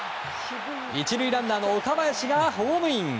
１塁ランナーの岡林がホームイン。